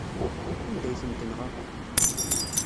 Anda ay ten-tenɣa?